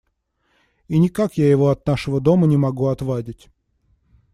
И никак я его от нашего дома не могу отвадить.